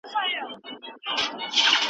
تاسو د لويي لاسته راوړني له پاره مبارزه کوله.